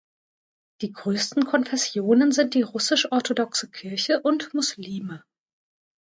Die größten Konfessionen sind die russisch-orthodoxe Kirche und Muslime.